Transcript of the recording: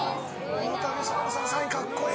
大竹さんのサイン、かっこいい！